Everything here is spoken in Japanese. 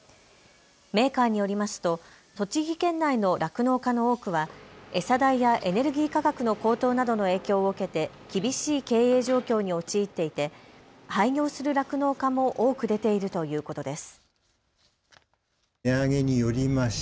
メーカーによりますと栃木県内の酪農家の多くは餌代やエネルギー価格の高騰などの影響を受けて厳しい経営状況に陥っていて廃業する酪農家も多く出ているということです。